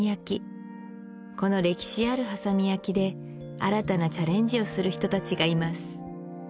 この歴史ある波佐見焼で新たなチャレンジをする人達がいます